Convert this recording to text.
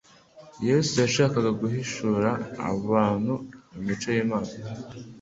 Yesu yashakaga guhishurira abantu imico y'Imana.